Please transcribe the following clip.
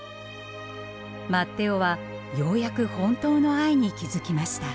マッテオはようやく本当の愛に気付きました。